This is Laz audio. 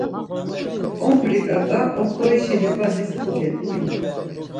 Ombri ǩat̆a oxorişi livadis kogedgin.